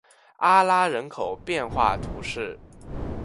拉阿人口变化图示